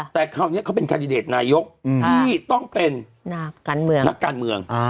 แต่คราวนี้เขาเป็นคาดิเดตนายกที่ต้องเป็นนักการเมืองนักการเมือง